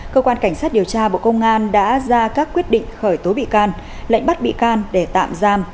cơ quan cảnh sát điều tra bộ công an đã ra các quyết định khởi tố bị can lệnh bắt bị can để tạm giam